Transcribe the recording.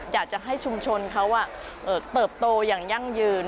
อยากจะให้ชุมชนเขาเติบโตอย่างยั่งยืน